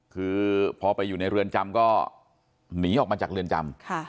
คือพอไปอยู่ในเรือนจำก็หนีออกมาจากเรือนจำ